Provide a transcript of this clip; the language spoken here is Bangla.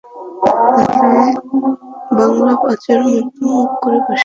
তাহলে বাংলা পাঁচের মতো মুখ করে বসে আছিস কেন?